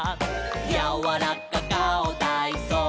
「やわらかかおたいそう」